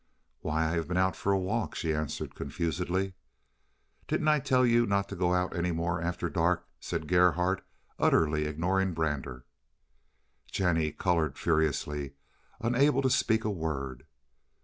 "Why, I have been out for a walk," she answered confusedly. "Didn't I tell you not to go out any more after dark?" said Gerhardt, utterly ignoring Brander. Jennie colored furiously, unable to speak a word.